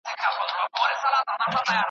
کشپ نه لري داهسي کمالونه .